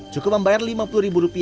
cukup membayar rp lima puluh